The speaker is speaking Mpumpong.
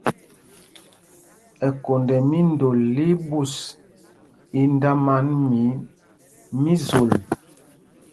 Ɛkond ɛ́ míndol lí í ɓūs, í ndáman mi mí Zol.